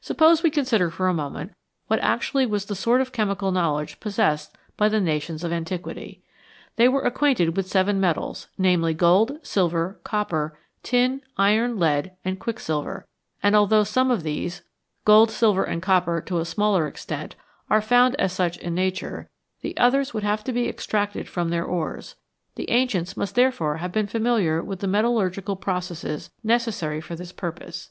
Suppose we consider for a moment what actually was the sort of chemical knowledge possessed by the nations of antiquity. They were acquainted with seven metals, namely, gold, silver, copper, tin, iron, lead, and quick silver, and although some of these gold, silver, and copper to a smaller extent are found as such in nature, the others would have to be extracted from their ores ; the ancients must therefore have been familiar with the metallurgical processes necessary for this purpose.